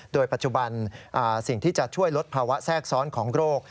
โดยปัจจุบันสิ่งที่จะช่วยลดภาวะแทรกซ้อนของโรค